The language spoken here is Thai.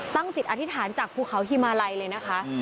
จิตอธิษฐานจากภูเขาฮิมาลัยเลยนะคะ